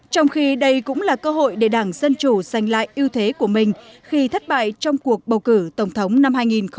trong khi đây cũng là cơ hội để đảng dân chủ giành lại ưu thế của mình khi thất bại trong cuộc bầu cử tổng thống năm hai nghìn một mươi sáu